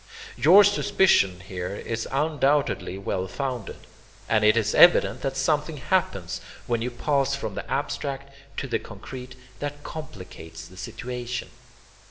Your suspicion here is undoubtedly well founded, and it is evident that something happens when you pass from the abstract to the concrete, that complicates the situation.